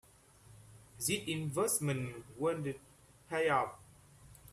This investment won't pay off.